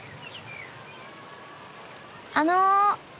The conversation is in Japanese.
あの。